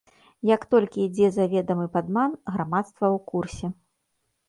Як толькі ідзе заведамы падман, грамадства ў курсе.